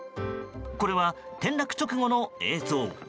これは、転落直後の映像。